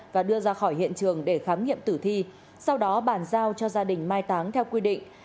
và đưa ra khỏi hiện trường để khám nghiệm tử thi sau đó bàn giao cho gia đình mai táng theo quy định